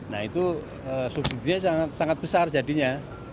nah itu subsidi nya sangat besar jadinya